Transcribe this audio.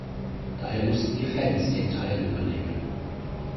Daher mussten die Fans den Teil übernehmen.